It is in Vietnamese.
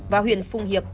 và huyện phung hiệp